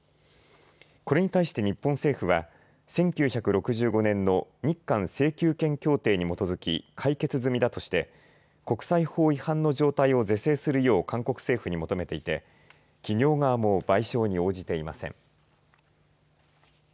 これに対して日本政府は１９６５年の日韓請求権協定に基づき解決済みだとして国際法違反の状態を是正するよう韓国政府に求めていて企業側も賠償に応じていません。